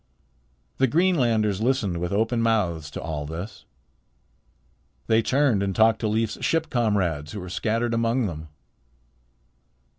The Greenlanders listened with open mouths to all this. They turned and talked to Leif's ship comrades who were scattered among them.